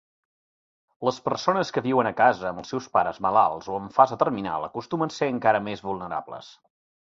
Les persones que viuen a casa amb els seus pares malalts o en fase terminal acostumen a ser encara més vulnerables.